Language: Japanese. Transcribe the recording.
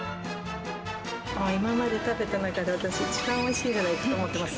今まで食べた中で、私、一番おいしいんじゃないかと思ってます。